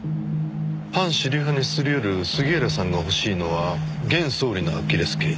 反主流派にすり寄る杉原さんが欲しいのは現総理のアキレス腱。